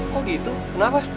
kok gitu kenapa